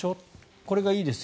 これがいいですよ